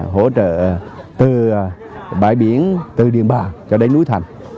hỗ trợ từ bãi biển từ điện bà cho đến núi thành